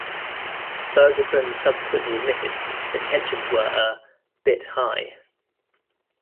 Ferguson subsequently admitted that tensions were a "bit high".